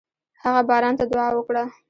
هغه باران ته دعا وکړه.